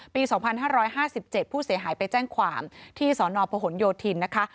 ปี๒๕๕๗ผู้เสียหายไปแจ้งความที่สนพหนโยธินนะคะ